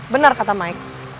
benar kata mai